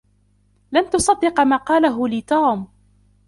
لن تصدّق ما قاله لي توم!